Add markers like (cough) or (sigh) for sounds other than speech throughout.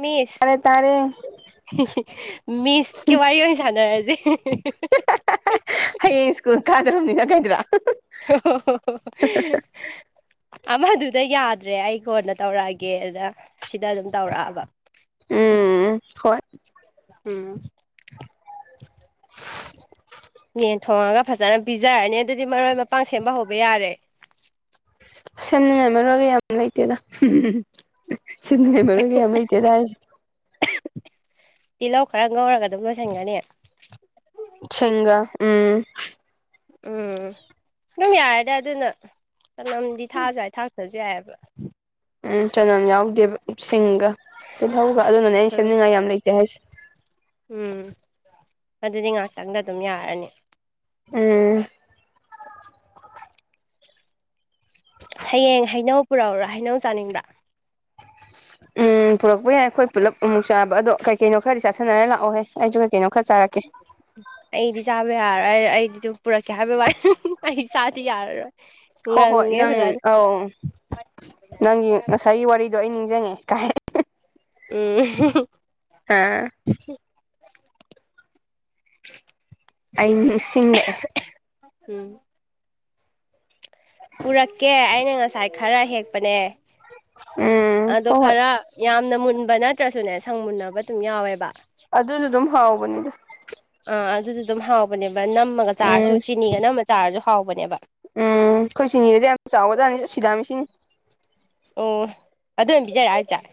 ꯃꯤꯁ ꯇꯥꯔꯦ ꯇꯥꯔꯦ꯫ ꯃꯤꯁꯀꯤ ꯋꯥꯔꯤ ꯑꯣꯏꯅ ꯁꯥꯟꯅꯔꯁꯤ꯫ ꯍꯌꯦꯡ ꯁ꯭ꯀꯨꯜ ꯀꯥꯗꯧꯔꯝꯅꯤꯅ ꯀꯩꯏꯗꯨꯔ꯫ (unintelligible) ꯑꯃꯗꯨꯗ ꯌꯥꯗ꯭ꯔꯦ ꯑꯩ ꯀꯣꯟꯅ ꯇꯧꯔꯛꯑꯒꯦ ꯑꯗꯨꯗ ꯁꯤꯗ ꯑꯗꯨꯝ ꯇꯧꯔꯛꯑꯕ꯫ ꯎꯝ ꯍꯣꯏ꯫ ꯎꯝ ꯌꯦ ꯊꯣꯡꯉꯒ ꯐꯖꯅ ꯄꯤꯖꯔꯅꯤ ꯑꯗꯨꯗꯤ ꯃꯔꯣꯏ ꯃꯄꯥꯡ ꯁꯦꯝꯕ ꯍꯧꯕ ꯌꯥꯔꯦ ꯁꯦꯝꯅꯤꯡꯉꯥꯏ ꯃꯔ ꯑꯣꯏꯒ ꯌꯥꯝ ꯂꯩꯇꯦꯗ ꯁꯦꯝꯅꯤꯡꯉꯥꯏ ꯃꯔ ꯑꯣꯏꯒ ꯌꯥꯝ ꯂꯩꯇꯦꯗ ꯍꯥꯏꯔꯤꯁꯦ ꯇꯤꯜꯍꯧ ꯈꯔ ꯉꯧꯔꯒ ꯑꯗꯨꯝ ꯂꯣꯏꯁꯤꯟꯒꯅꯤ ꯆꯒꯥ ꯎꯝ ꯎꯝ ꯑꯗꯨꯝ ꯌꯥꯔꯗꯤ ꯑꯗꯨꯅ ꯆꯅꯝꯗꯤ ꯊꯥꯁꯨ ꯌꯥꯏ ꯊꯥꯛꯇꯁꯨ ꯌꯥꯏꯑꯕ ꯎꯝ ꯆꯅꯝ ꯌꯥꯎꯗꯦꯕ ꯁꯤꯡꯒ ꯇꯤꯜꯍꯧꯒ ꯑꯗꯨꯅꯅꯦ ꯑꯩꯅ ꯎꯝ ꯁꯦꯝꯅꯤꯡꯉꯥꯏ ꯌꯥꯝ ꯂꯩꯇꯦ ꯍꯥꯏꯁꯦ ꯎꯝ ꯑꯗꯨꯗꯤ ꯉꯥꯛꯇꯪꯗ ꯑꯗꯨꯝ ꯌꯥꯔꯅꯤ ꯎꯝ ꯍꯌꯦꯡ ꯍꯩꯅꯧ ꯄꯨꯔꯛꯎꯔ ꯍꯩꯅꯧ ꯆꯥꯅꯤꯡꯕ꯭ꯔꯥ (unintelligible) ꯎꯝ ꯄꯨꯔꯛꯄ ꯌꯥꯏ ꯑꯩꯈꯣꯏ ꯄꯨꯂꯞ ꯑꯃꯨꯛ ꯆꯥꯕ ꯑꯗꯣ ꯀꯩꯀꯩꯅꯣ ꯈꯔꯗꯤ ꯆꯥꯁꯤꯟꯅꯔꯒ ꯂꯥꯛꯑꯣꯍꯦ ꯑꯩꯁꯨ ꯀꯩ ꯀꯩꯅꯣ ꯈꯔ ꯆꯥꯔꯛꯀꯦ ꯑꯩꯗꯤ ꯆꯥꯕ ꯌꯥꯔꯣꯏ ꯑꯩꯗꯤꯁꯨ ꯄꯨꯔꯛꯀꯦ ꯍꯥꯏꯕ ꯋꯥꯏ ꯃꯍꯤ ꯆꯥꯗꯤ ꯌꯥꯔꯔꯣꯏ ꯍꯣꯏ ꯍꯣꯏ ꯉꯪꯉꯦ ꯅꯪ ꯐꯖꯅ ꯑꯧ ꯑꯗꯨꯅꯦ ꯅꯪꯒꯤ ꯉꯁꯥꯏꯒꯤ ꯋꯥꯔꯤꯗꯣ ꯑꯩ ꯅꯤꯡꯁꯤꯡꯉꯦ ꯀꯥꯏ ꯎꯝ ꯑꯥ ꯑꯩ ꯅꯤꯡꯁꯤꯡꯂꯛꯑꯦ ꯎꯝ ꯄꯨꯔꯛꯀꯦ ꯑꯩꯅ ꯉꯁꯥꯏ ꯈꯔ ꯍꯦꯛꯄꯅꯦ ꯎꯝ ꯑꯗꯣ ꯍꯣꯏ ꯍꯣꯏ ꯈꯔ ꯌꯥꯝ ꯁꯅ ꯃꯨꯟꯕ ꯅꯠꯇ꯭ꯔꯁꯨꯅꯦ ꯁꯪ ꯃꯨꯟꯅꯕ ꯑꯗꯨꯝ ꯌꯥꯎꯋꯦꯕ ꯑꯗꯨꯁꯨ ꯑꯗꯨꯝ ꯍꯥꯎꯕꯅꯤꯗ ꯑꯥ ꯑꯗꯨꯗꯤ ꯑꯗꯨꯝ ꯍꯥꯎꯕꯅꯦꯕ ꯅꯝꯃꯒ ꯎꯝ ꯆꯥꯔꯁꯨ ꯆꯤꯅꯤꯒ ꯅꯝꯃ ꯆꯥꯔꯁꯨ ꯍꯥꯎꯕꯅꯦꯕ ꯎꯝ ꯑꯩꯈꯣꯏ ꯁꯤꯅꯤꯒꯁꯦ ꯌꯥꯝ ꯆꯥꯎꯒꯖꯥꯅꯤ ꯆꯠ ꯁꯤꯗꯥꯃꯤꯁꯤ ꯑꯣ ꯑꯗꯨ ꯑꯣꯏꯅ ꯄꯤꯖꯔꯛꯑꯒ ꯍꯨꯁꯦ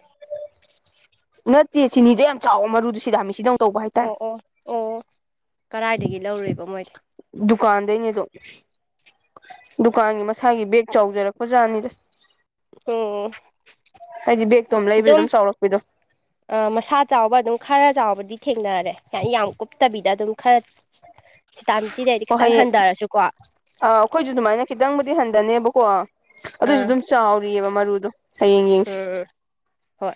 ꯅꯠꯇꯦ ꯆꯤꯅꯤꯗꯣ ꯌꯥꯝ ꯆꯥꯎꯋ ꯃꯔꯨꯗ ꯁꯤꯗ ꯍꯥꯃꯤ ꯁꯤꯗ ꯑꯣ ꯑꯣ ꯑꯣ ꯀꯗꯥꯥꯏꯗꯒꯤ ꯂꯧꯔꯦꯕ ꯃꯣꯏꯗꯤ ꯗꯨꯀꯥꯟꯗꯅꯦꯗꯣ ꯗꯨꯀꯥꯟꯒꯤ ꯃꯁꯥꯒꯤ ꯕꯦꯒ ꯆꯥꯎꯖꯔꯛꯄꯖꯥꯠꯅꯤꯗ ꯎꯝ ꯍꯥꯏꯗꯤ ꯕꯦꯛꯇꯣ ꯑꯃ ꯂꯩꯕꯗ ꯑꯗꯨꯝ ꯆꯥꯎꯔꯛꯄꯗꯣ ꯃꯁꯥ ꯆꯥꯎꯕ ꯑꯗꯨꯝ ꯈꯔ ꯆꯥꯎꯕꯗꯤ ꯊꯦꯡꯅꯔꯦ ꯌꯥꯝ ꯀꯨꯞꯇꯕꯤꯗ ꯑꯗꯨꯝ ꯈꯔ ꯁꯤꯇꯥꯃꯤꯊꯤꯗꯗꯤ ꯍꯣ ꯈꯤꯇꯪ ꯍꯌꯦꯡ ꯍꯟꯊꯔꯁꯨꯀꯣ ꯑꯥ ꯑꯩꯈꯣꯏꯁꯨ ꯑꯗꯨꯃꯥꯏꯅ ꯈꯤꯇꯪꯕꯨꯗꯤ ꯍꯟꯊꯅꯦꯕꯀꯣ ꯑꯗꯨꯏꯁꯨ ꯑꯥ ꯑꯗꯨꯝ ꯆꯥꯎꯔꯤꯑꯕ ꯃꯔꯨꯗꯣ ꯍꯌꯦꯡ ꯌꯦꯡꯁꯤ ꯎꯝ ꯎꯝ ꯍꯣꯏ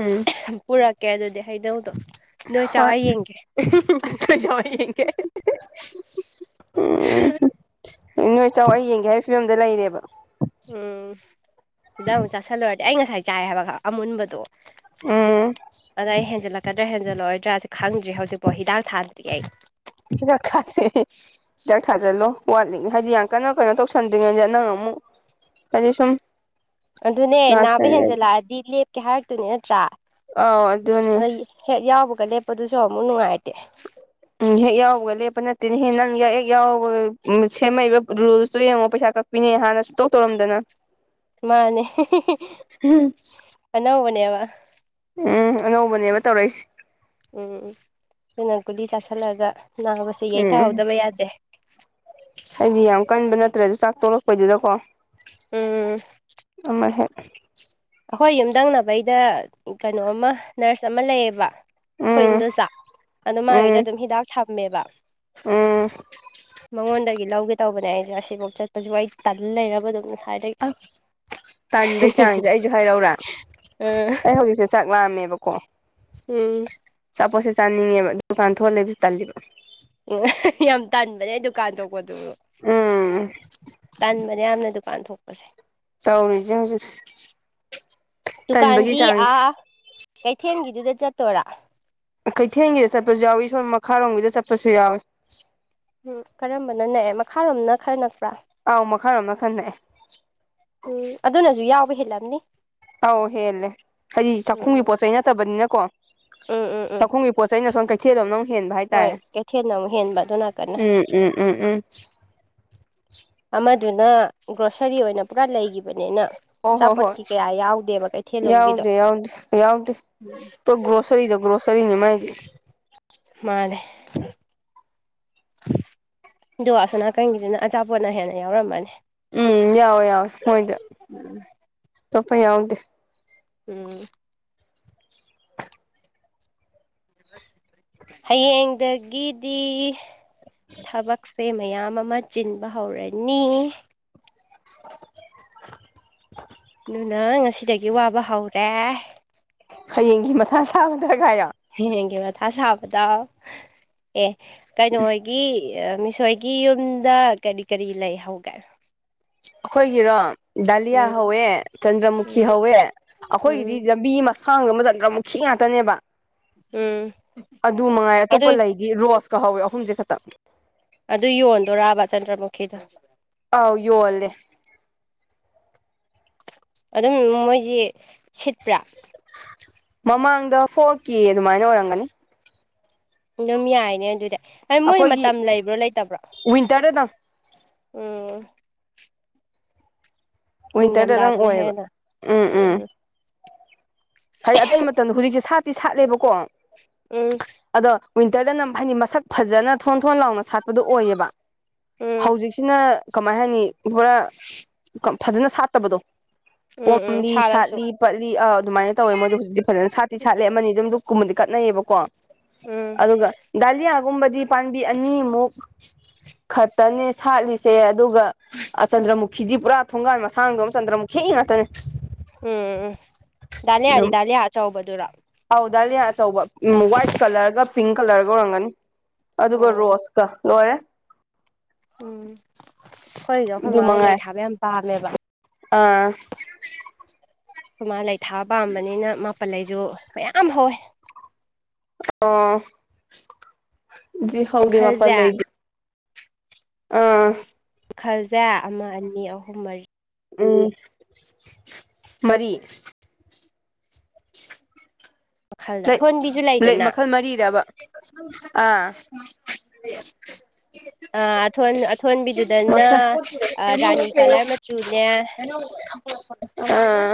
ꯎꯝ ꯄꯨꯔꯛꯀꯦ ꯑꯗꯨꯗꯤ ꯍꯩꯅꯧꯗꯣ ꯅꯣꯏ ꯆꯥꯛ ꯌꯦꯡꯒꯦ ꯆꯥꯎꯏ ꯌꯦꯡ ꯀꯦ ꯎꯝ ꯅꯣꯏ ꯏꯆ ꯑꯩ ꯌꯦꯡꯒꯦ ꯍꯥꯏꯕ ꯐꯤꯕꯝꯗ ꯂꯩꯔꯦꯕ ꯎꯝ ꯁꯤꯗ ꯑꯃꯨꯛ ꯆꯥꯁꯤꯜꯂꯨꯔꯗꯤ ꯑꯩ ꯉꯁꯥꯏ ꯆꯥꯏ ꯍꯥꯏꯕ ꯈ ꯑꯃꯨꯟꯕꯗꯣ ꯎꯝ ꯑꯗ ꯑꯩ ꯍꯦꯟꯖꯜꯂꯛꯀ꯭ꯔꯥꯦꯟꯖꯜꯂꯛꯑꯣꯏꯗ꯭ꯔꯥ ꯁꯤ ꯈꯪꯗ꯭ꯔꯤ ꯍꯧꯖꯤꯛꯄꯣ ꯍꯤꯗꯥꯛ ꯊꯥꯟꯗꯤ ꯑꯩ ꯍꯤꯗꯥꯛ ꯊꯥꯥꯁꯦ ꯍꯤꯗꯥꯛ ꯊꯥꯖꯜꯂꯣ ꯋꯥꯠꯂꯤ ꯍꯥꯏꯗꯤ ꯌꯥꯝ ꯀꯟꯅꯣ ꯀꯩꯅꯣ ꯇꯧꯁ ꯁꯗꯉꯖꯅꯉ ꯑꯃꯨ ꯀ ꯁꯨꯝ ꯑꯗꯨꯅꯦ ꯅꯥꯕ ꯅꯥꯁꯟ ꯍꯦꯟꯖꯜꯂꯛꯑꯗꯤ ꯂꯦꯞꯀꯦ ꯍꯥꯏꯔꯛꯇꯨꯅꯦ ꯅꯠꯇ꯭ꯔꯥ ꯑꯥꯎ ꯑꯗꯨꯗꯅꯦ ꯑꯗ ꯍꯦꯛ ꯌꯥꯎꯕꯒ ꯂꯦꯞꯄꯗꯨꯁꯨ ꯑꯃꯨꯛ ꯅꯨꯡꯉꯥꯏꯇꯦ ꯎꯝ ꯍꯦꯛ ꯌꯥꯎꯕꯒ ꯂꯦꯞꯄ ꯅꯠꯇꯦꯅ ꯍꯦ ꯅꯪ ꯍꯦꯛ ꯌꯥꯎꯕꯒ ꯁꯦꯝꯃꯛꯏꯕ ꯔꯨꯜꯁꯇꯣ ꯌꯦꯡꯉꯣ ꯄꯩꯁꯥ ꯀꯛ ꯃꯤꯅꯦ ꯍꯥꯟꯅ ꯁꯨꯇꯧ ꯇꯧꯔꯝꯗꯅ ꯃꯥꯅꯦ ꯑꯅꯧꯕꯅꯦꯕ ꯎꯝ ꯑꯉꯧꯕꯅꯦꯕ ꯇꯧꯔꯛꯏꯁꯦ ꯎꯝ ꯑꯩꯈꯣꯏꯅ ꯀꯒꯨꯂꯤ ꯆꯥꯥꯁꯜꯂꯒ ꯅꯥꯕꯁꯦ ꯌꯩꯊꯍꯧꯗꯕ ꯌꯥꯗꯦ ꯍꯥꯏꯗꯤ ꯌꯥꯝ ꯀꯟꯕ ꯅꯠꯇ꯭ꯔꯦꯁꯨ ꯆꯥꯛ ꯇꯣꯛꯂꯛꯄꯩꯗꯨꯗꯀꯣ ꯎꯝ ꯑꯃ ꯍꯦꯛ (unintelligible) ꯑꯩꯈꯣꯏ ꯌꯨꯝꯊꯪꯅꯕꯩꯗ ꯀꯩꯅꯣ ꯑꯃ ꯅꯔꯁ ꯑꯃ ꯂꯩꯌꯦꯕ ꯎꯝ ꯑꯩꯣꯏꯟꯗꯣ ꯆ ꯑꯗꯨꯗ ꯃꯥꯒꯤꯗ ꯎꯝ ꯑꯗꯨꯝ ꯍꯤꯗꯥꯛ ꯊꯝꯃꯦꯕ ꯎꯝ ꯃꯉꯣꯟꯗꯒꯤ ꯂꯥꯎꯒ ꯇꯧꯕꯅꯦ ꯑꯩꯁꯦ ꯉꯁꯤꯐꯧ ꯆꯠꯄꯁꯨ ꯑꯩ ꯇꯥ ꯂꯩꯔꯕ ꯑꯗꯨ ꯑꯁ ꯇꯟꯗꯩ ꯆꯥꯡꯁꯦ ꯑꯩꯁꯨ ꯍꯥꯏꯔꯛꯔ ꯑ ꯍꯧꯖꯤꯛꯁꯦ ꯁꯥꯛ ꯂꯥꯛꯝꯃꯦꯕꯀꯣ ꯎꯝ ꯑꯆꯥꯄꯣꯠꯁꯦ ꯆꯥꯅꯤꯡꯉꯦꯕ ꯗꯨꯀꯥꯟ ꯊꯣꯛꯍꯜꯂꯦꯕꯁꯨ ꯇꯜꯂꯤꯕꯣ ꯎ ꯌꯥꯝ ꯇꯥꯟꯕꯅꯦ ꯗꯨꯀꯥꯟ ꯊꯣꯛꯄꯗꯨ ꯎꯝ ꯇꯟꯥꯟꯕꯅꯦ ꯌꯥꯝꯅ ꯗꯨꯀꯥꯟ ꯊꯣꯛꯄꯁꯦ ꯇꯧꯔꯤꯁꯦ ꯍꯧꯖꯤꯛꯁꯦ ꯇꯟꯕꯒꯤ ꯗꯨꯀꯥꯟꯗꯤ ꯆꯥꯡꯁꯦ ꯑꯥ ꯀꯩꯊꯦꯜꯒꯤꯗꯨꯗ ꯆꯠꯇꯣꯔꯥ ꯀꯩꯊꯦꯜꯒꯤꯗ ꯆꯠꯄꯁꯨ ꯌꯥꯎꯋꯏ ꯁꯣꯝ ꯃꯈꯥꯔꯣꯝꯒꯤꯗ ꯆꯠꯄꯁꯨ ꯌꯥꯎꯏ ꯎꯝ ꯀꯔꯝꯕꯅ ꯅꯛꯑꯦ ꯃꯈꯥꯔꯣꯝꯅ ꯈꯔ ꯅꯛꯄ꯭ꯔꯥ ꯑꯥꯎ ꯃꯈꯥꯔꯣꯝꯅ ꯈꯟꯅꯛꯑꯦ ꯎꯝ ꯑꯗꯨꯅꯁꯨ ꯌꯥꯎꯕ ꯍꯤꯜꯂꯝꯅꯤ ꯑꯧ ꯍꯦꯜꯂꯦ ꯍꯥꯏꯗꯤ ꯆꯥꯛꯈꯨꯝꯒꯤ ꯎꯝ ꯎꯝ ꯄꯣꯠ ꯆꯩ ꯅꯠꯇꯕꯅꯤꯅꯀꯣ ꯎꯝ ꯎꯝ ꯎꯝ ꯆꯥꯛꯈꯨꯝꯒꯤ ꯄꯣꯠ ꯆꯩꯩꯅ ꯁꯣꯝ ꯀꯩꯊꯦꯜꯂꯣꯝ ꯅꯪ ꯍꯦꯟꯕ ꯍꯣꯏ ꯍꯥꯏꯇꯥꯔꯦ ꯀꯩꯊꯦꯜꯅ ꯑꯃꯨꯛ ꯍꯦꯟꯕ ꯑꯗꯨ ꯅꯥꯀꯟꯅ ꯎꯝ ꯎꯝ ꯎꯝ ꯎꯝ ꯑꯃꯗꯨꯅ ꯒ꯭ꯔꯣꯁꯔꯤ ꯑꯣꯏꯅ ꯄꯨꯔꯥ ꯂꯩꯈꯤꯕꯅꯤꯅ ꯍꯣ ꯍꯣ ꯑꯆꯥꯄꯣꯠ ꯍꯣꯏ ꯀ ꯀꯌꯥ ꯌꯥꯎ ꯗꯦꯕ ꯀꯩ ꯊꯦ ꯌꯥꯎꯗꯦ ꯌꯥꯎꯗꯦ ꯌꯥꯎꯗꯦ ꯄ ꯒ꯭ꯔꯣꯁꯔꯤꯗꯣ ꯒ꯭ꯔꯣꯁꯔꯤꯅꯤ ꯃꯥꯏꯗꯤ ꯃꯥꯦ ꯑꯗꯣ ꯑꯁꯣꯅꯥꯀꯟꯒꯤꯁꯤꯅ ꯑꯆꯥꯄꯣꯠꯅ ꯍꯦꯟꯅ ꯌꯥꯎꯔꯝꯃꯅꯤ ꯎꯝ ꯌꯥꯎꯋꯦ ꯌꯥꯎꯋꯦ ꯃꯣꯏꯗ ꯑꯣꯞꯄ ꯌꯥꯎꯗꯦ ꯎꯝ ꯍꯌꯦꯡꯗꯒꯤꯗꯤ ꯊꯕꯛꯁꯦ ꯃꯌꯥꯝ ꯑꯃ ꯆꯤꯟꯕ ꯍꯧꯔꯅꯤ (unintelligible) ꯑꯗꯨꯅ ꯉꯁꯤꯗꯒꯤ ꯋꯥꯕ ꯍꯧꯔꯦ ꯍꯌꯦꯡꯒꯤ ꯃꯊꯥ ꯁꯥꯕꯗꯒꯥꯏꯣ ꯍꯌꯦꯡꯒꯤ ꯃꯊꯥ ꯁꯥꯕꯗ ꯑꯦ ꯀꯩꯅꯣ ꯑꯣꯏꯒꯦ ꯒꯤ ꯃꯤꯁꯣꯏꯒꯤ ꯌꯨꯝꯗ ꯀꯔꯤ ꯀꯔꯤ ꯂꯩꯍꯧꯒꯦ ꯑꯩꯈꯣꯏꯒꯤꯔꯣ ꯗꯥꯂꯤꯌꯥ ꯎꯝ ꯍꯧꯋꯦ ꯆꯟꯗ꯭ꯔꯃꯨꯈꯤ ꯎꯝ ꯍꯧꯋꯦ ꯑꯩꯈꯣꯏꯒꯤꯗꯤ ꯎꯝ ꯂꯝꯕꯤ ꯃ ꯊꯥꯡꯗ ꯃ ꯆꯟꯗ꯭ꯔ ꯃꯨꯛꯈꯤ ꯉꯥꯛꯇꯅꯦꯕ ꯎꯝ ꯑꯗꯨ ꯃꯉꯥꯏ ꯑꯗꯨ ꯑꯇꯣꯞꯄ ꯂꯩ ꯒꯤ ꯔꯣꯁꯀ ꯍꯧꯋꯦ ꯑꯍꯨꯝꯁꯦ ꯈꯛꯇ ꯑꯗꯨ ꯌꯣꯟꯗꯣꯔꯕ ꯆꯟꯗ꯭ꯔꯃꯨꯈꯤꯗꯣ ꯑꯥꯎ ꯌꯣꯜꯂꯦ ꯑꯗꯨꯝ ꯃꯣꯏꯁꯤ ꯁꯤꯠꯄ꯭ꯔꯥ ꯃꯃꯥꯡꯗ ꯐꯣꯔ ꯀꯦ ꯑꯗꯨꯃꯥꯏꯅ ꯑꯣꯏꯔꯝꯒꯅꯤ ꯑꯗꯨꯝ ꯌꯥꯏꯅꯦ ꯑꯗꯨꯗꯤ ꯃꯣꯏ ꯑꯩꯈꯣꯏꯒꯤ ꯃꯇꯝ ꯂꯩꯕ꯭ꯔꯣ ꯂꯩꯇꯕ꯭ꯔꯣ ꯋꯤꯟꯇꯔꯗꯗꯪ ꯎꯝ ꯋꯤꯟꯇꯔꯗꯗꯪ ꯏꯪꯊꯝꯊꯥꯗꯅ ꯑꯣꯏꯌꯦꯕ ꯍꯦꯟꯅ ꯎꯝ ꯎꯝ ꯍ ꯑꯇꯩ ꯃꯇꯝꯗ ꯍꯧꯖꯤꯛꯁꯦ ꯁꯥꯠꯇꯤ ꯁꯥꯠꯂꯦꯕꯀꯣ ꯎꯝ ꯑꯗꯣ ꯋꯤꯟꯇꯔꯗꯅ ꯍꯥꯏꯗꯤ ꯃꯁꯛ ꯐꯖꯅ ꯊꯣꯟ ꯊꯣꯟ ꯂꯥꯎꯅ ꯗꯣ ꯑꯣꯏꯌꯦꯕ ꯎꯝ ꯍꯧꯖꯤꯛꯁꯤꯅ ꯀꯃꯥꯏ ꯍꯥꯏꯅꯤ ꯄꯨꯔꯥ ꯐꯖꯅ ꯁꯥꯠꯇꯕꯗꯣ ꯎꯝ ꯎꯝ ꯄꯣꯝꯂꯤ ꯁꯥꯔꯁꯨ ꯁꯥꯠꯂꯤ ꯄꯠꯂꯤ ꯑ ꯑꯗꯨꯃꯥꯏꯅ ꯇꯧꯋꯦ ꯃꯣꯏꯗꯣ ꯍꯧꯖꯤꯛꯇꯤꯐꯖꯅ ꯁꯥꯠꯇꯤ ꯁꯥꯠꯂꯤ ꯑꯃꯅꯤ ꯑꯗꯨꯝꯗ ꯀꯨꯝꯕꯗꯤ ꯀꯠꯅꯩꯌꯦꯕꯀꯣ ꯎꯝ ꯑꯗꯨꯒ ꯗꯥꯂꯤꯌꯥꯒꯨꯝꯕꯗꯤ ꯄꯥꯝꯕꯤ ꯑꯅꯤꯃꯨꯛ ꯈꯛꯇꯅꯦ ꯁꯥꯠꯂꯤꯁꯦ ꯑꯗꯨꯒ ꯑ ꯆꯟꯗ꯭ꯔꯃꯨꯈꯤꯗꯤ ꯄꯨꯔꯥ ꯊꯣꯡꯒꯥꯏ ꯃꯁꯥꯡꯗꯣ ꯑꯃ ꯆꯟꯗ꯭ꯔꯃꯨꯈꯤ ꯉꯥꯛꯇꯅꯦ ꯎꯝ ꯗꯥꯂꯤꯌꯥꯅꯤ ꯑꯗꯨꯝ ꯗꯥꯂꯤꯌꯥ ꯑꯆꯧꯕꯗꯨꯔ ꯑꯧ ꯗꯥꯂꯤ ꯑꯆꯧꯕ ꯎ ꯋꯥꯏꯠ ꯀꯂꯔꯒ ꯄꯤꯡ ꯀꯂꯔꯒ ꯑꯣꯏꯔꯝꯒꯅꯤ ꯑꯗꯨꯒ ꯑꯣ ꯔꯣꯁꯀ ꯂꯣꯏꯔꯦ ꯍꯣꯏꯁꯨ ꯑꯩꯈꯣꯏ ꯑꯗꯨ ꯃꯥ ꯂꯩ ꯃꯉꯥꯏ ꯊꯥꯕ ꯌꯥꯝ ꯄꯥꯝꯃꯦꯕ ꯑꯥ ꯈꯨꯃꯥ ꯂꯩ ꯊꯥꯕ ꯄꯥꯝꯕꯅꯤꯅ ꯃꯥꯄꯜꯂꯁꯨ ꯃꯌꯥꯝ ꯍꯧꯋꯦ ꯑꯣꯗꯤ ꯍꯗꯦ ꯃꯈꯜꯁꯦ ꯃꯥꯄꯜꯂꯩꯗ ꯑꯥ ꯈꯜꯖꯦ ꯑꯃ ꯑꯅꯤ ꯑꯍꯨꯝ ꯃꯔꯤ ꯎꯝ ꯃꯔꯤ ꯃꯈꯜꯗ ꯂꯩ ꯑꯊꯣꯟꯕꯤꯁꯨ ꯂꯩ ꯂꯩꯗꯅ ꯃꯈꯜ ꯃꯔꯤꯔꯕ ꯑꯥ ꯑꯊꯣꯟ ꯑꯊꯣꯟꯕꯤꯗꯨꯗꯅ ꯔꯥꯅꯤ ꯀꯂꯔ ꯃꯆꯨꯅꯦ (unintelligible)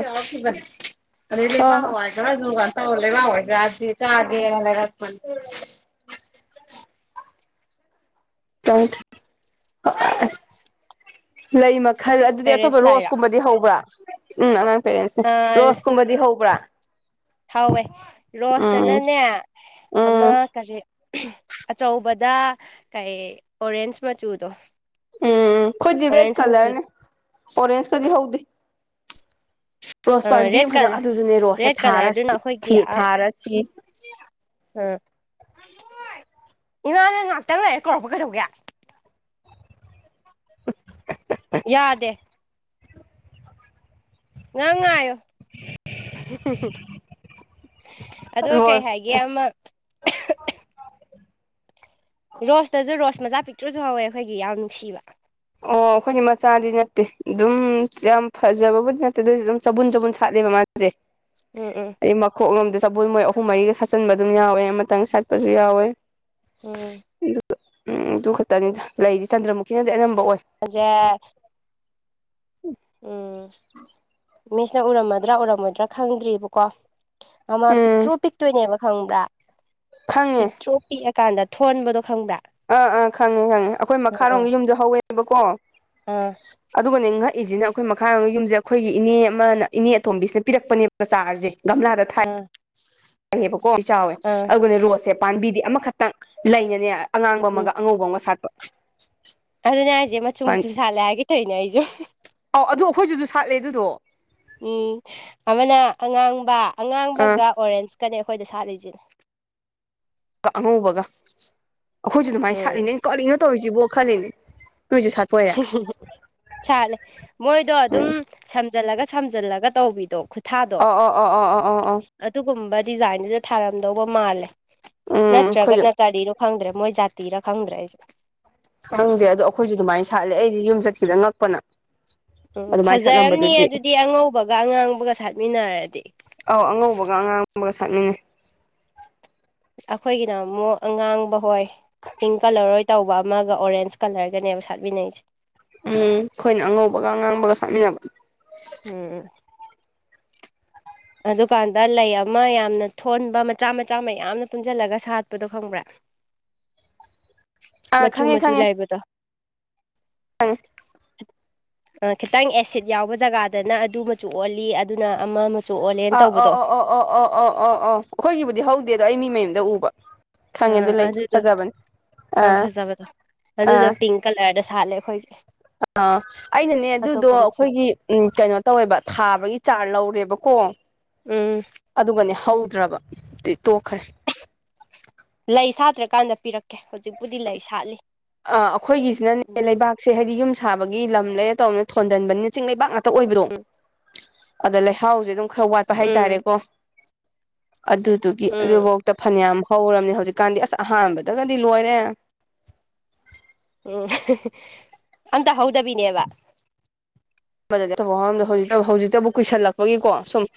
ꯑꯥ (unintelligible) (unintelligible) ꯆꯥꯁꯦꯅ ꯂꯩꯔꯛꯄ (unintelligible) ꯂꯩ ꯃꯈꯜ ꯑꯗꯨꯗꯤ ꯑꯇꯣꯞꯄ ꯄꯦꯔꯦꯟꯁ ꯔꯣꯁ ꯀꯨꯝꯕꯗꯤ ꯍꯧꯕ꯭ꯔꯥ ꯎꯝ ꯑꯉꯥꯡ ꯄꯦꯔꯦꯟꯁꯦ ꯔꯣꯁ ꯂꯥꯛꯏꯔꯣ ꯀꯨꯝꯕ ꯗꯤ ꯍꯧꯕ꯭ꯔꯥ ꯍꯥꯎꯋꯦ ꯎꯝ ꯔꯣꯁꯇꯅꯅꯦ ꯑꯃ ꯎꯝ ꯀꯔꯤ ꯑꯆꯧꯕꯗ ꯀꯩ ꯑꯣꯔꯦꯟꯖ ꯃꯆꯨꯗꯣ ꯎꯝ ꯈꯣꯏꯗꯤ ꯔꯦꯗ ꯑꯣꯔꯦꯟꯖ ꯃꯆꯨ ꯀꯂꯔꯅꯦ ꯑꯣꯔꯦꯟꯖ ꯀꯗꯤ ꯍꯧꯎꯗꯦ ꯔꯣꯁ ꯄꯥꯝꯕꯤ ꯔꯦꯠ ꯑꯃꯈꯛꯇꯪ ꯀꯂꯔ ꯑꯗꯨꯁꯨꯅꯦ ꯔꯣꯁꯁꯦ ꯔꯦꯗ ꯊꯥꯔ ꯊꯥꯔꯁꯤ (unintelligible) ꯎꯝ ꯏꯃꯥꯅ ꯉꯥꯛꯇ ꯂꯩꯥꯛꯑꯦ ꯀꯧꯔꯛꯄ ꯀꯩꯗꯧꯒꯦ ꯌꯥꯗꯦ ꯉꯥꯛ ꯉꯥꯏꯌꯨ (unintelligible) ꯑꯗꯣ ꯀꯩ ꯔꯣꯁ ꯍꯥꯏꯒꯦ ꯑꯃ ꯔꯣꯁꯇꯁꯨ ꯔꯣꯁ ꯃꯆꯥ ꯄꯤꯛꯇ꯭ꯔꯁꯨ ꯍꯧꯋꯦ ꯑꯩꯈꯣꯏꯒꯤ ꯌꯥꯝ ꯅꯨꯡꯁꯤꯕ ꯑꯣ ꯑꯩꯈꯣꯏꯅꯤ ꯃꯆꯥꯗꯤ ꯅꯠꯇꯦ ꯑꯗꯨꯝ ꯌꯥꯝ ꯐꯖꯕꯕꯨꯗꯤ ꯅꯠꯇꯦ ꯑꯗꯨꯁꯨ ꯑꯗꯨꯝ ꯆꯕꯨꯟ ꯆꯕꯨꯟ ꯁꯥꯠꯂꯦꯕ ꯃꯥ (unintelligible) ꯎꯝ ꯎꯝ ꯀꯣꯛꯂꯣꯝꯗ ꯆꯄꯣꯜ ꯃꯣꯏ ꯑꯍꯨꯝ ꯃꯔꯤꯒ ꯁꯥꯠꯆꯤꯟꯕ ꯑꯗꯨꯝ ꯌꯥꯎꯋꯦ ꯑꯃꯇꯪ ꯁꯥꯠꯄꯁꯨ ꯌꯥꯎꯋꯦ ꯎꯝ ꯎꯝ ꯑꯗꯨ ꯈꯛꯇꯅꯤꯗ ꯂꯩꯗꯤ ꯆꯟꯗ꯭ꯔꯃꯨꯀꯤꯅꯗꯤ ꯑꯅꯝꯕ ꯑꯣꯏ ꯖ ꯎꯝ ꯃꯤꯁꯅ ꯎꯔꯝꯃꯗ꯭ꯔꯥ ꯎꯔꯝꯃꯣꯏꯗ꯭ꯔꯥ ꯈꯪꯗ꯭ꯔꯤꯕꯀꯣ ꯃꯃ ꯎꯝ ꯄꯤꯛꯇ꯭ꯔꯣ ꯄꯤꯛꯇꯣꯏꯅꯦꯕ ꯈꯪꯕ꯭ꯔꯥ ꯈꯪꯉꯦ ꯄꯤꯛꯇ꯭ꯔꯣ ꯄꯤꯛꯑꯀꯥꯟꯗ ꯊꯣꯟꯕꯗꯣ ꯈꯪꯕ꯭ꯔꯥ ꯑꯥ ꯑꯥ ꯈꯪꯉꯦ ꯈꯪꯉꯦ ꯑꯩꯈꯣꯏ ꯑꯥ ꯑꯥ ꯃꯈꯥꯔꯣꯝꯒꯤ ꯌꯨꯝꯗ ꯍꯧꯋꯦꯕꯀꯣ ꯑꯥ ꯑꯗꯨꯒꯅꯦ ꯉꯛꯏꯁꯤꯅ ꯑꯩꯈꯣꯏ ꯃꯈꯥꯔꯣꯝꯒ ꯌꯨꯝꯁꯦ ꯑꯩꯈꯣꯏꯒꯤ ꯏꯅꯦ ꯑꯃꯅ ꯏꯅꯦ ꯑꯇꯣꯝꯕꯤꯁꯤꯅ ꯄꯤꯔꯛꯄꯅꯦꯕ ꯆꯥꯔꯁꯦ ꯒꯝꯂꯥꯗ ꯑꯥ ꯕꯀꯣ ꯑꯩ ꯆꯥꯎꯋꯦ ꯑꯥ ꯑꯗꯨꯒ ꯔꯣꯁ ꯁꯦ ꯄꯥꯝꯕꯤꯗꯤ ꯑꯃꯈꯛꯇꯪ ꯂꯩꯅꯅꯦ ꯑꯉꯥꯡꯕ ꯎꯝ ꯑꯃꯒ ꯑꯉꯧꯕ ꯑꯃꯒ ꯁꯥꯠꯄ ꯑꯗꯨꯅꯦ ꯍꯥꯏꯁꯦ ꯃꯆꯨ ꯃꯆꯨ ꯁꯥꯠꯂꯦ ꯍꯥꯏꯒꯩꯊꯧꯅꯦ ꯑꯩꯁꯨ ꯑꯥꯎ ꯑꯗꯨ ꯑꯩꯈꯣꯏꯁꯨꯁꯨ ꯁꯥꯠꯂꯦ ꯑꯗꯨꯗꯣ ꯎꯝ ꯑꯃꯅ ꯑꯉꯥꯡꯕ ꯑꯥ ꯑꯉꯥꯡꯕꯒ ꯑꯣꯔꯦꯟꯁꯀꯅꯦ ꯑꯩꯈꯣꯏꯗ ꯁꯥꯠꯂꯤꯁꯤꯅꯦ ꯀ ꯑꯉꯧꯕꯒ ꯑꯩꯈꯣꯏꯁꯨ ꯑꯗꯨꯃꯥꯏꯅ ꯎꯝ ꯁꯥꯠꯂꯤꯉꯩꯩꯅ ꯀꯛꯂꯤꯅꯣ ꯇꯧꯔꯤꯁꯤꯕꯣ ꯈꯜꯂꯤꯅꯦ ꯅꯣꯏꯁꯨ ꯁꯥꯠꯄ ꯑꯣꯏꯔꯦ ꯁꯥꯠꯂꯦ ꯃꯣꯏꯗꯣ ꯑꯗꯨꯝ ꯎꯝ ꯁꯝꯖꯜꯂꯒ ꯁꯝꯖꯜꯂꯒ ꯇꯧꯕꯤꯗꯣ ꯈꯨꯠꯊꯥꯗꯣ ꯑꯣ ꯑꯣ ꯑꯣ ꯑꯣ ꯑꯣ ꯑꯣ ꯑꯣ ꯑꯗꯨꯒꯨꯝꯕ ꯗꯤꯖꯥꯏꯟꯗꯨꯗ ꯊꯥꯔꯝꯗꯧꯕ ꯃꯥꯜꯂꯦ ꯎꯝ ꯑꯩꯈꯣꯏꯁꯨ ꯅꯠꯇ꯭ꯔꯒꯅ ꯀꯔꯤꯅꯣ ꯈꯪꯗ꯭ꯔꯦ ꯃꯣꯏ ꯖꯥꯇꯤꯔ ꯈꯪꯗ꯭ꯔꯦ ꯑꯩꯁꯦ ꯈꯪꯗꯦ ꯑꯗꯣ ꯑꯩꯈꯣꯏꯁꯨ ꯑꯗꯨꯃꯥꯏꯅ ꯁꯥꯠꯂꯦ ꯑꯩꯗꯤ ꯌꯨꯝ ꯆꯠꯈꯤꯕꯗ ꯉꯛꯄꯅ ꯎꯝ ꯑꯗꯨꯃꯥꯏꯅ ꯐꯖꯔꯝꯅꯤ ꯁꯥꯠꯂꯝꯕꯗꯨꯗꯤ ꯑꯗꯨꯗꯤ ꯑꯉꯧꯕꯒ ꯑꯉꯥꯡꯕꯒ ꯁꯥꯠꯃꯤꯟꯅꯔꯗꯤ ꯑꯧ ꯑꯉꯧꯕꯒ ꯑꯉꯥꯡꯕꯒ ꯁꯥꯠꯃꯥꯟꯅꯩ ꯑꯩꯈꯣꯏꯒꯤꯅ ꯑꯃꯨꯛ ꯑꯉꯥꯡꯕ ꯍꯣꯏ ꯄꯤꯡ ꯀꯂꯔꯣꯏ ꯇꯧꯕ ꯑꯃꯒ ꯑꯣꯔꯦꯟꯁ ꯀꯂꯔꯒꯅꯦꯕ ꯁꯥꯠꯃꯤꯟꯅꯩꯁꯦ ꯎꯝ ꯑꯩꯈꯣꯏꯅ ꯑꯉꯧꯕꯒ ꯑꯉꯥꯡꯕꯒ ꯁꯥꯠꯃꯤꯟꯅꯕ ꯎꯝ ꯑꯗꯨꯀꯥꯟꯗ ꯂꯩ ꯑꯃ ꯌꯥꯝꯅ ꯊꯣꯟꯕ ꯃꯆꯥ ꯃꯆꯥ ꯃꯌꯥꯝꯅ ꯄꯨꯟꯁꯤꯜꯂꯒ ꯁꯥꯠꯄꯗꯣ ꯈꯪꯕ꯭ꯔꯥ (unintelligible) (inaudible) ꯑꯥ ꯃꯆꯨ ꯈꯪꯉꯦ ꯃꯆꯨ ꯈꯪꯉꯦ ꯂꯩꯥꯏꯕꯗꯣ ꯈꯤꯇꯪ ꯑꯦꯁꯤꯠ ꯌꯥꯎꯕ ꯖꯒꯥꯗꯅ ꯑꯗꯨ ꯃꯆꯨ ꯑꯣꯜꯂꯤ ꯑꯗꯨꯅ ꯑꯃ ꯃꯆꯨ ꯑꯣꯜꯂꯦꯅ ꯑꯥ ꯑ ꯇꯧꯕꯗꯣ ꯑꯣ ꯑ ꯑꯣ ꯑꯣ ꯑꯣ ꯑꯣ ꯑꯣ ꯑꯩꯈꯣꯏꯒꯤꯕꯨꯗꯤ ꯍꯧꯗꯦ ꯑꯗꯣ ꯑꯩ ꯃꯤ ꯃꯌꯨꯝꯗ ꯎꯕ ꯈꯪꯉꯦ ꯑꯥ ꯑꯗꯨ ꯂꯩꯇꯣ ꯑꯗꯨꯗꯣ ꯐꯖꯕꯅꯦ ꯑꯥ ꯐꯖꯕꯗꯣ ꯑꯗꯨꯗꯣ ꯄꯤꯡ ꯀꯂꯔꯗ ꯁꯥꯠꯂꯦ ꯑꯩꯈꯣꯏꯒꯤ ꯑꯥ ꯑꯩꯅꯅꯦ ꯑꯗꯨꯗꯣ ꯑꯇꯣꯞꯄ ꯃꯆꯨ ꯑꯩꯈꯣꯏꯒꯤ ꯎꯝ ꯀꯩꯅꯣ ꯇꯧꯋꯦꯕ ꯊꯥꯕꯒꯤ ꯆꯥꯔꯖ ꯂꯧꯔꯦꯕꯀꯣ ꯎꯝ ꯑꯗꯨꯒꯅꯤ ꯍꯧꯗ꯭ꯔꯕ ꯑꯗꯨꯗꯩ ꯇꯣꯛꯈ꯭ꯔꯦ ꯂꯩ ꯁꯥꯠꯇ꯭ꯔꯀꯥꯟꯗ ꯄꯤꯔꯛꯀꯦ ꯍꯧꯖꯤꯛꯄꯨꯗꯤ ꯂꯩ ꯁꯥꯠꯂꯤ ꯑ ꯎꯝ ꯑꯩꯈꯣꯏꯒꯤꯁꯤꯅꯅꯦ ꯂꯩꯕꯥꯛꯁꯦ ꯍꯥꯏꯗꯤ ꯌꯨꯝ ꯁꯥꯕꯒꯤ ꯂꯝ ꯂꯩꯔ ꯇꯧꯅ ꯊꯣꯟꯗꯟꯕꯅꯤꯅ ꯆꯤꯡ ꯂꯩꯕꯥꯛ ꯉꯥꯛ ꯍꯇ ꯑꯣꯏꯕꯗꯣ ꯑꯗ ꯂꯩꯍꯥꯎꯁꯦ ꯑꯗꯨꯝ ꯈꯔ ꯋꯥꯠꯄ ꯍꯥꯏꯇꯥꯔꯦꯀꯣ ꯑꯗꯨꯗꯨꯒꯤ ꯎꯝ ꯑꯗꯨꯐꯧꯗ ꯐꯅꯌꯥꯝ ꯍꯧꯔꯝꯅꯤ ꯍꯧꯖꯤꯛꯀꯥꯟꯗꯤ ꯑꯁ ꯑꯍꯥꯟꯕꯗꯒꯗꯤ ꯂꯣꯏꯔꯦ ꯎꯝ ꯑꯝꯇ ꯍꯧꯗꯕꯤꯅꯦꯕ ꯊꯕꯛꯔꯝꯗ ꯍꯧ ꯍꯧꯖꯤꯛꯇꯕꯨ ꯀꯨꯏꯁꯜꯂꯛꯄꯒꯤꯀꯣ ꯁꯨꯝ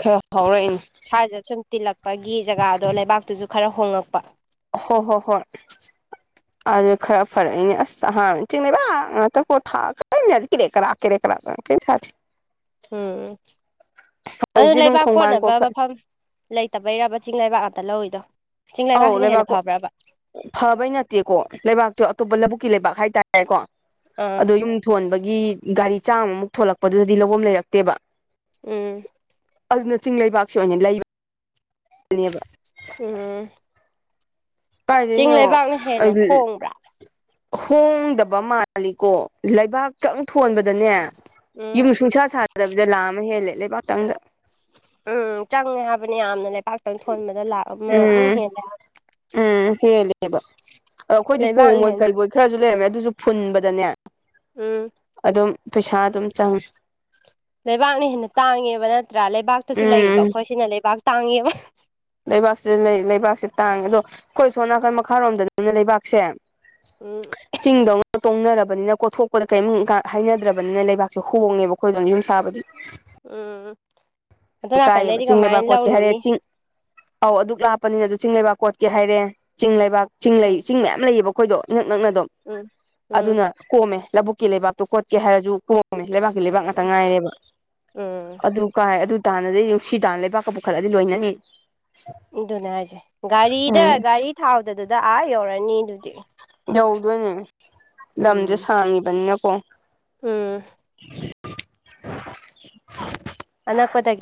ꯈꯔ ꯐꯥꯏꯔꯛꯏꯅꯤ ꯏꯁ꯭ꯋꯥꯏꯖꯗ ꯁꯨꯝ ꯇꯤꯜꯂꯛꯄꯒꯤ ꯖꯒꯥꯗꯣ ꯂꯩꯕꯥꯛꯇꯨꯁꯨ ꯈꯔ ꯍꯣꯉꯛꯄ ꯍꯣ ꯍꯣ ꯍꯣꯏ ꯑꯗꯨ ꯈꯔ ꯐꯔꯛꯏꯅꯦ ꯑꯁ ꯑꯥꯟ ꯆꯤꯡꯕ ꯉꯣ (inaudible) ꯎꯝ ꯑꯗꯨ ꯍꯧꯖꯤꯛꯇꯤ ꯑꯗꯨꯝ ꯂꯩꯕꯥꯛ ꯈꯣꯡꯕꯥꯟ ꯀꯣꯠꯅꯕ ꯀꯣꯈꯠ ꯃꯐꯝ ꯂꯩꯇꯕꯩꯔꯕ ꯆꯤꯡ ꯂꯩꯕꯥꯛ ꯉꯥꯛꯇ ꯂꯧꯋꯏꯗꯣ ꯑꯧ ꯂꯩꯕꯥꯛꯀꯣ ꯐꯕꯩ ꯅꯠꯇꯦꯀꯣ ꯂꯩꯕꯥꯛꯇꯣ ꯑꯇꯣꯞꯄ ꯂꯧꯕꯨꯛꯀꯤ ꯂꯩꯕꯥꯛ ꯍꯥꯏꯇꯥꯔꯦꯀꯣ ꯑꯥ ꯑꯗꯣ ꯌꯨꯝ ꯊꯣꯟꯕꯒꯤ ꯒꯥꯔꯤ ꯆꯥꯝꯃꯃꯨꯛ ꯊꯣꯂꯛꯄꯗꯨꯗꯗꯤ ꯂꯧꯕ ꯂꯩꯔꯛꯇꯦꯕ ꯎꯝ ꯑꯗꯨꯅ ꯆꯤꯡ ꯂꯩꯕꯥꯛꯁꯦ ꯑꯣꯏꯅ ꯂꯩꯕ ꯅ‌ꯦꯕ ꯎꯝ ꯆꯤꯡ ꯀꯥꯏꯗꯩꯩꯅꯣ ꯂꯩꯕꯥꯛꯅ ꯍꯦꯟꯅ ꯍꯣꯡꯕ꯭ꯔꯥ ꯍꯣꯡꯗꯕ ꯃꯥꯜꯂꯤꯀꯣ ꯂꯩꯕꯥꯛꯇꯪ ꯊꯣꯟꯕꯗꯅꯦ ꯎꯝ ꯌꯨꯝ ꯁꯨꯡꯁꯥ ꯁꯥꯗꯕꯤꯗ ꯂꯥꯑ ꯑꯃ ꯍꯦꯜꯂꯦ ꯂꯩꯕꯥꯛꯇꯪꯗ ꯎꯝ ꯆꯪꯉꯦ ꯍꯥꯏꯕꯅꯤ ꯌꯥꯝꯅ ꯂꯩꯄꯥꯛꯥꯛꯇꯪ ꯊꯣꯟꯕꯗ ꯂꯥꯛ ꯑꯃ ꯑꯗꯨꯝ ꯎꯝ ꯍꯦꯜꯂꯦ ꯎꯝ ꯍꯦꯜꯂꯦꯕ ꯑꯗꯣ ꯑꯩꯈꯣꯏꯗꯤ ꯀꯣ ꯂꯩꯕꯥꯛꯅ ꯃꯣꯏ ꯍꯦꯟꯅ ꯀꯜꯕꯣꯏ ꯈꯔꯁꯨ ꯂꯩꯔꯝꯃꯦ ꯑꯗꯨꯁꯨ ꯐꯨꯟꯕꯗꯅꯦ ꯎꯝ ꯑꯗꯨꯝ ꯄꯩꯁꯥ ꯑꯗꯨꯝ ꯆꯪꯉ‌ꯦ ꯂꯩꯕꯥꯛꯅ ꯍꯦꯟꯅ ꯇꯥꯡꯉꯦꯕ ꯅꯠꯇ꯭ꯔꯥ ꯂꯩꯕꯥꯛꯇꯁꯨ ꯂꯩꯔꯤꯕ ꯎꯝ ꯑꯩꯈꯣꯏꯁꯤꯅ ꯂꯩꯕꯥꯛ ꯇꯥꯡꯉꯦꯕ ꯂꯩꯕꯥꯛꯁꯤꯗ ꯂꯩ ꯂꯩꯕꯥꯛꯁꯦ ꯇꯥꯡꯉꯦ ꯑꯗꯣ ꯑꯩꯈꯣꯏ ꯁꯣꯝ ꯅꯥꯀꯟ ꯃꯈꯥꯔꯣꯝꯗ ꯑꯗꯨꯅ ꯂꯩꯕꯥꯛꯁꯦ ꯎꯝ ꯆꯤꯡꯗꯧꯅ ꯇꯣꯡꯅꯔꯕꯅꯤꯅ ꯀꯣꯊꯣꯛꯄꯗ ꯀꯔꯤꯝ ꯍꯥꯏꯅꯗ꯭ꯔꯕꯅꯤꯅ ꯂꯩꯕꯥꯛꯁꯦ ꯍꯣꯡꯉꯦꯕꯀꯣ ꯑꯩꯈꯣꯏꯗꯅ ꯌꯨꯝ ꯁꯥꯕꯗꯤ ꯎꯥ ꯀꯥꯏꯑꯕ ꯆꯤꯡ ꯂꯩꯕꯥꯛ ꯈꯣꯠꯀꯦ ꯍꯥꯏꯔꯦ ꯂꯧꯔꯨꯅꯤ ꯆꯤꯡ ꯑꯧ ꯑꯗꯨꯛ ꯂꯥꯛꯄꯅꯤꯅ ꯑꯗꯨ ꯆꯤꯡ ꯂꯩꯕꯥꯛ ꯀꯣꯠꯀꯦ ꯍꯥꯏꯔꯦ ꯆꯤꯡ ꯂꯩꯕꯥꯛ ꯆꯤꯡ ꯎꯝ ꯆꯤꯡ ꯃꯌꯥꯝ ꯂꯩꯌꯦꯕ ꯑꯩꯈꯣꯏꯗꯣ ꯅꯅꯛ ꯅꯛꯅ ꯑꯗꯨꯝ ꯎꯝ ꯎꯝ ꯑꯗꯨꯅ ꯀꯣꯝꯃꯦ ꯂꯧꯕꯨꯛꯀꯤ ꯂꯩꯕꯥꯛꯇꯣ ꯀꯣꯠꯀꯦ ꯍꯥꯏꯔꯁꯨ ꯀꯣ ꯂꯩꯕꯥꯛꯀꯤ ꯂꯩꯕꯥꯛ ꯉꯥꯛꯇ ꯉꯥꯏꯅꯦꯕ ꯎꯝ ꯑꯗꯨ ꯀꯥꯏ ꯑꯗꯨ ꯇꯥꯟꯅꯗꯤ ꯅꯨꯡꯁꯤ ꯇꯥꯟꯅ ꯂꯩꯕꯥꯛꯀ ꯄꯨꯈꯠꯂꯗꯤ ꯂꯣꯏꯅꯅꯤ ꯑꯗꯨꯅꯦ ꯍꯥꯏꯁꯦ ꯒꯥꯔꯤꯗ ꯎꯝ ꯒꯥꯔꯤ ꯊꯥꯎꯗꯗꯨꯗ ꯑꯥ ꯌꯧꯔꯅꯤ ꯑꯗꯨꯗꯤ ꯌꯧꯗꯣꯏꯅꯦ ꯂꯝꯁꯦ ꯎꯝ ꯁꯥꯡꯉꯤꯕꯅꯤꯅꯀꯣ ꯎꯝ ꯑꯅꯥꯛꯄ ꯇꯗꯒꯤꯦ